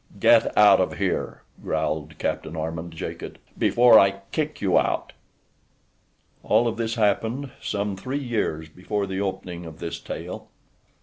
"Get out of here!" growled Captain Armand Jacot, "before I kick you out." All of this happened some three years before the opening of this tale.